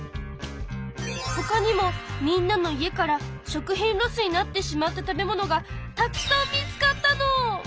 ほかにもみんなの家から食品ロスになってしまった食べ物がたくさん見つかったの！